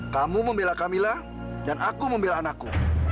kamu membela kamila dan aku membela anakku